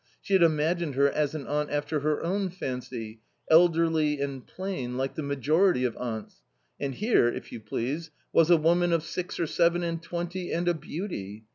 She had imagined her as an aunt after her own fancy, elderly and plain, like the majority of aunts, and here, if you please, was, a woman of six or seven and twenty and a beauty